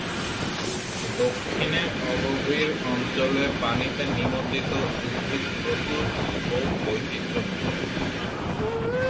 দক্ষিণে অগভীর অঞ্চলে পানিতে নিমজ্জিত উদ্ভিদ প্রচুর ও বৈচিত্র্যময়।